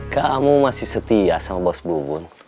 kamu masih setia sama bos bubun